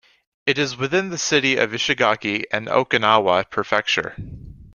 It is within the City of Ishigaki in Okinawa Prefecture.